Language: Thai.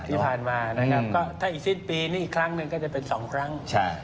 ถ้าอีกซีรีส์ปีนี้อีกครั้งหนึ่งก็จะเป็นสองครั้ง